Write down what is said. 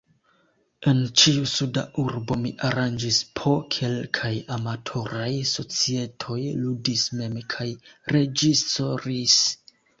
En ĉiu suda urbo mi aranĝis po kelkaj amatoraj societoj, ludis mem kaj reĝisoris.